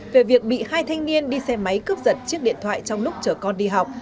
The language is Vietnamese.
về việc bị hai thanh niên đi xe máy cướp giật chiếc điện thoại trong lúc chở con đi học